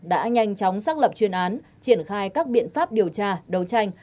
đã nhanh chóng xác lập chuyên án triển khai các biện pháp điều tra đấu tranh